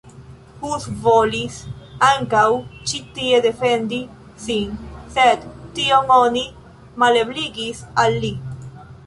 Hus volis ankaŭ ĉi tie defendi sin, sed tion oni malebligis al li.